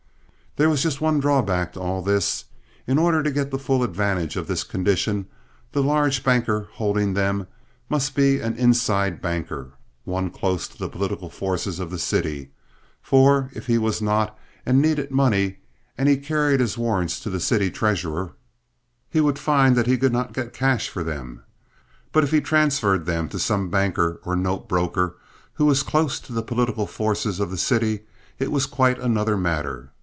There was just one drawback to all this. In order to get the full advantage of this condition the large banker holding them must be an "inside banker," one close to the political forces of the city, for if he was not and needed money and he carried his warrants to the city treasurer, he would find that he could not get cash for them. But if he transferred them to some banker or note broker who was close to the political force of the city, it was quite another matter.